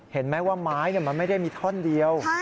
เห็นไหมว่าไม้มันไม่ได้มีท่อนเดียว